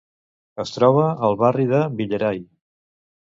Es troba al barri de Villeray.